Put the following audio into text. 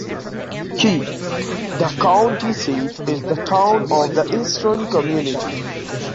Key, the county seat is the town of the eastern community.